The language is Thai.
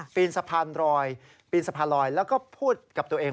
ปีนสะพานลอยแล้วก็พูดกับตัวเอง